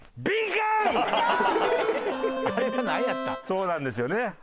そうなんですよねはい。